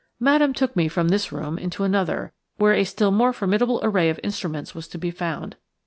Madame took me from this room into another, where a still more formidable array of instruments was to be found.